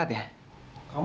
ayah udah berangkat ya